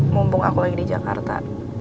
mumpung aku lagi di jakarta